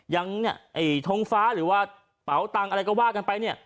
อย่างเนี่ยไอ้ท้องฟ้าหรือว่าเป๋าตังค์อะไรก็ว่ากันไปเนี่ย